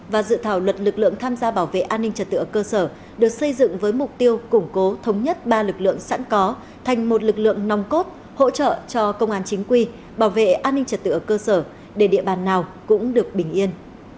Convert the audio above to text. và dự thảo luật lực lượng tham gia bảo vệ an ninh trật tự ở cơ sở được xây dựng với mục tiêu củng cố thống nhất ba lực lượng sẵn có thành một lực lượng nòng cốt hỗ trợ cho công an chính quy bảo vệ an ninh trật tự ở cơ sở để địa bàn nào cũng được bình yên